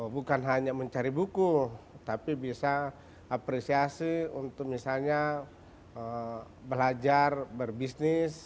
bukan hanya mencari buku tapi bisa apresiasi untuk misalnya belajar berbisnis